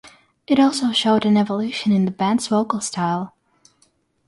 It also showed an evolution in the band's vocal style.